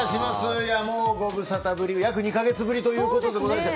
ご無沙汰ぶりで約２か月ぶりということでございます。